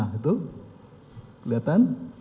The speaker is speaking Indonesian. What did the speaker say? nah itu kelihatan